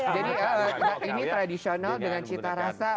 jadi ini tradisional dengan cita rasa